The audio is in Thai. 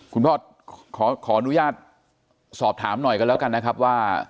คุณพ่อขออนุญาตสอบถามหน่อยกันแล้วกันนะครับว่า